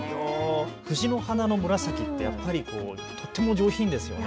藤の花の紫ってとっても上品ですよね。